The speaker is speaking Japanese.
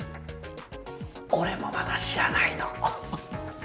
俺もまだ知らないの。